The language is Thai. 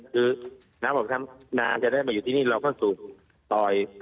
คือน้ำบอกน้ำจะได้มาอยู่ที่นี่เราก็สูบต่อย